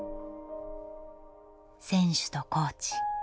選手とコーチ。